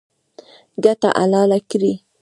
ګټه حلاله کړئ